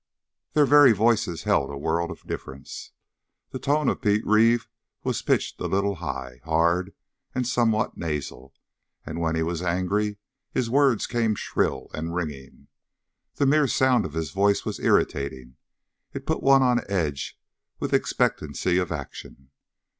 Their very voices held a world of difference. The tone of Pete Reeve was pitched a little high, hard, and somewhat nasal, and when he was angry his words came shrill and ringing. The mere sound of his voice was irritating it put one on edge with expectancy of action.